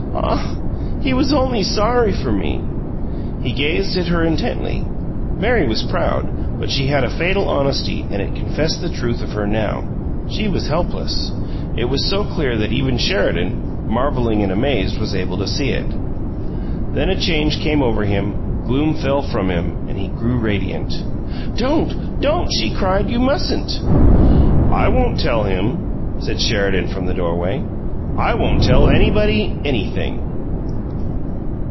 "Ah! He was only sorry for me!" He gazed at her intently. Mary was proud, but she had a fatal honesty, and it confessed the truth of her now; she was helpless. It was so clear that even Sheridan, marveling and amazed, was able to see it. Then a change came over him; gloom fell from him, and he grew radiant. "Don't! Don't" she cried. "You mustn't " "I won't tell him," said Sheridan, from the doorway. "I won't tell anybody anything!"